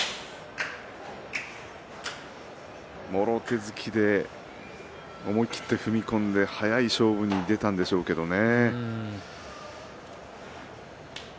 もろ手突きで思い切って踏み込んで早い勝負に出たんでしょうけれどもね。